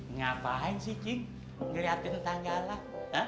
ngapain sih cik ngeliatin tetangga lah